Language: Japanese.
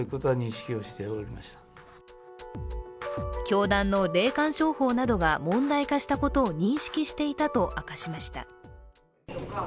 教団の霊感商法などが問題化したことを認識していたと明かしました。